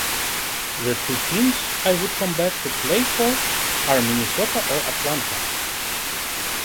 The two teams I would come back to play for are Minnesota or Atlanta.